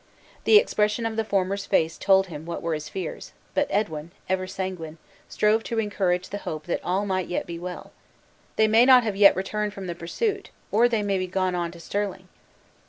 The expression of the former's face told him what were his fears; but Edwin, ever sanguine, strove to encourage the hope that all might yet be well: "They may not have yet returned from the pursuit; or they may be gone on to Stirling."